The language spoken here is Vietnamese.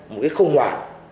một cái khủng hoảng